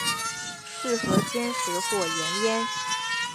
适合煎食或盐腌。